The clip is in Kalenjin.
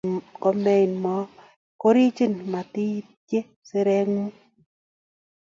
Komein mo korichin mateityi sirengung